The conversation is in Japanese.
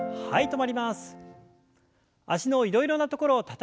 はい。